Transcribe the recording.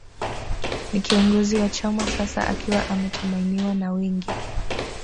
Ni kiongozi wa chama sasa akiwa ametumainiwa na wengi